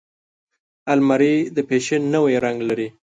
الماري د فیشن نوی رنګ لري